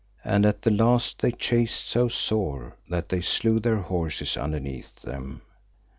And at the last they chased so sore that they slew their horses underneath them.